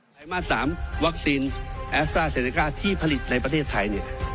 ไรมาส๓วัคซีนแอสตราเซเนก้าที่ผลิตในประเทศไทยเนี่ย